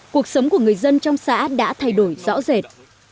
cuộc sống của người dân trong xã đã thay đổi rõ rệt